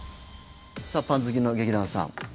パン好きの劇団さん。